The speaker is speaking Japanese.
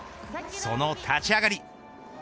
その立ち上がり。